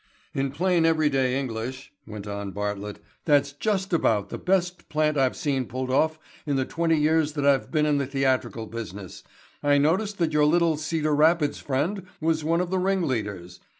"In plain, everyday English," went on Bartlett, "that's just about the best plant I've seen pulled off in the twenty years that I've been in the theatrical business. I noticed that your little Cedar Rapids friend was one of the ring leaders.